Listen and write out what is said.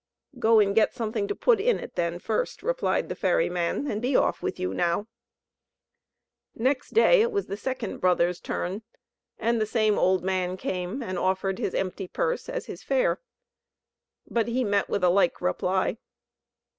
"Go and get something to put in it then first," replied the ferry man; "and be off with you now!" Next day it was the second brother's turn; and the same old man came, and offered his empty purse as his fare. But he met with a like reply.